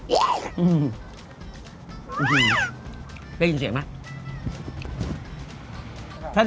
จะยินเสียงไหม